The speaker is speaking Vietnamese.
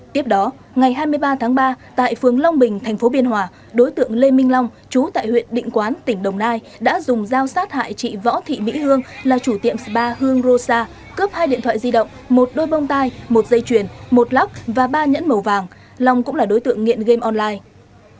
tiếp đó ngày hai mươi ba tháng ba tại phường long bình thành phố biên hòa đối tượng lê minh long chú tại huyện định quán tỉnh đồng nai đã dùng dao sát hại chị võ thị mỹ hương là chủ tiệm spa hương rosa cướp hai điện thoại di động một đôi bông tai một dây chuyền một lóc và ba nhẫn màu vàng long cũng là đối tượng nghiện game online